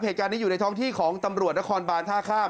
เหตุการณ์นี้อยู่ในท้องที่ของตำรวจนครบานท่าข้าม